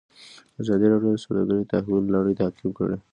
ازادي راډیو د سوداګري د تحول لړۍ تعقیب کړې.